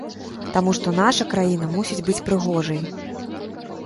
Таму што наша краіна мусіць быць прыгожай.